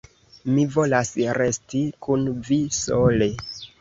Mi volas resti kun vi sole.